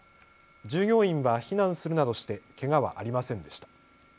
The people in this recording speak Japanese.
従業員は避難するなどしてけがはありませんでした。